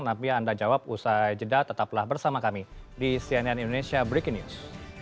tapi anda jawab usai jeda tetaplah bersama kami di cnn indonesia breaking news